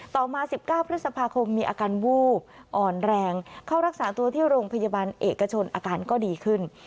ต่อมา๑๙พฤษภาคมมีอาการวูบอ่อนแรงเข้ารักษาตัวที่โรงพยาบาลเอกชนอาการก็ดีขึ้น